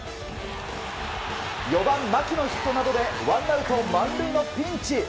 ４番、牧のヒットなどでワンアウト満塁のピンチ。